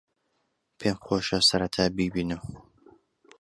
پێم خۆشە سەرەتا بیبینم.